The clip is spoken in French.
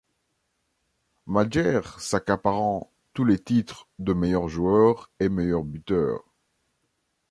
Madjer s'accaparant tous les titres de meilleur joueur et meilleur buteur.